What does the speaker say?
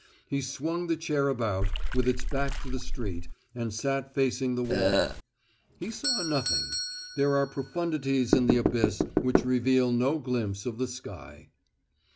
He swung the chair about, with its back to the street, and sat facing the wall. He saw nothing. There are profundities in the abyss which reveal no glimpse of the sky.